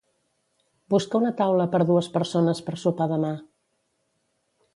Busca una taula per dues persones per sopar demà.